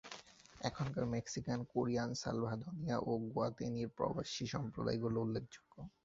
এখানকার মেক্সিকান, কোরীয়, সালভাদোরীয় ও গুয়াতেমালীয় প্রবাসী সম্প্রদায়গুলি উল্লেখযোগ্য।